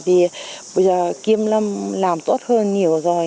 bây giờ kiêm làm tốt hơn nhiều rồi